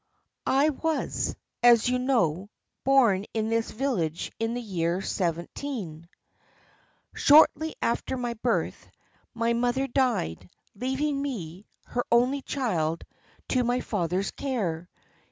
"I was, as you know, born in this village in the year 17—. Shortly after my birth, my mother died, leaving me, her only child, to my father's care.